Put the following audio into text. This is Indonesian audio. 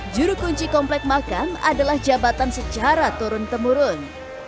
juru kunci komplek makam adalah jabatan secara turun temurun